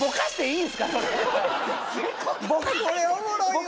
僕これおもろいわ！